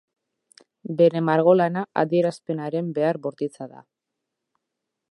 Bere margolana adierazpenaren behar bortitza da.